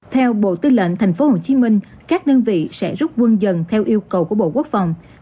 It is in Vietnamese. theo bộ tư lệnh tp hcm các đơn vị sẽ rút quân dần theo yêu cầu của bộ quốc phòng